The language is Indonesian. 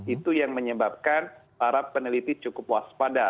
itu yang menyebabkan para peneliti cukup waspada